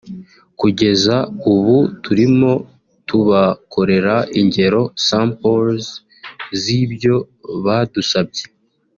Kugeza ubu turimo kubakorera ingero (samples) z’ibyo badusabye